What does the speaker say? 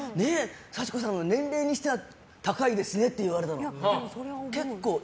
幸子さん、年齢にしては高いですねって言われたの。